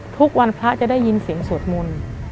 ทุกวันพระจะได้ยินเสียงสวดมนต์